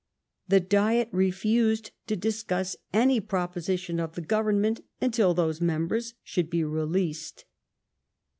The Diet refused to discu. s any ])roposition of the Government until those members should be released.